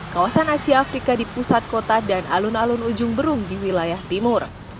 kawasan asia afrika di pusat kota dan alun alun ujung berung di wilayah timur